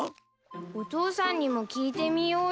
お父さんにも聞いてみようよ。